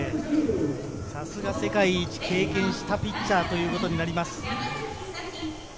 さすが世界一を経験したピッチャーということになります。